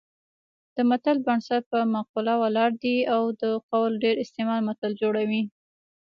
د متل بنسټ پر مقوله ولاړ دی او د قول ډېر استعمال متل جوړوي